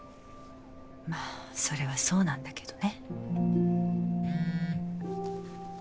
まあそれはそうなんだけどね。